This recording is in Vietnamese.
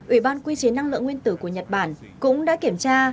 ủy ban quy chế năng lượng nguyên tử của nhật bản cũng đã kiểm tra